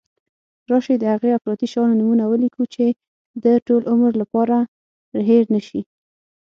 راشي د هغه اطرافي شیانو نومونه ولیکو چې د ټول عمر لپاره هېر نشی.